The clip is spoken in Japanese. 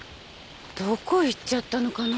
どこ行っちゃったのかな